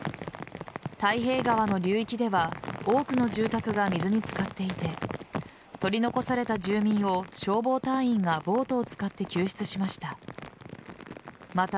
太平川の流域では多くの住宅が水に漬かっていて取り残された住民を消防隊員がボートを使って救出しました。